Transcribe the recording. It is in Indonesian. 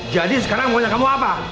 jadi sekarang mau nyatakan apa